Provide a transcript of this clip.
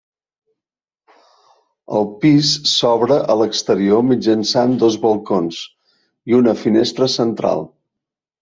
El pis s'obre a l'exterior mitjançant dos balcons i una finestra central.